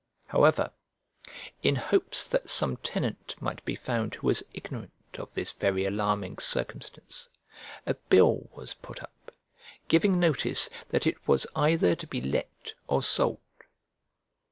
However, in hopes that some tenant might be found who was ignorant of this very alarming circumstance, a bill was put up, giving notice that it was either to be let or sold.